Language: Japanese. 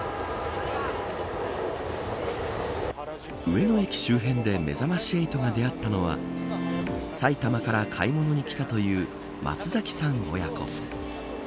上野駅周辺でめざまし８が出会ったのは埼玉から買い物に来たという松嵜さん親子。